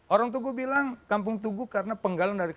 orang tugu bilang kampung tugu karena penggalan dari kampung